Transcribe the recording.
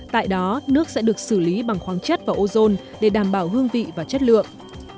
tại đó nước sẽ được xử lý bằng khoáng chất và ozone để đảm bảo hương vị và chất lượng